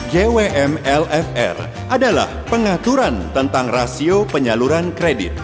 ywmlfr adalah pengaturan tentang rasio penyaluran kredit